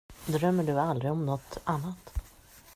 Drömmer du aldrig om nåt annat?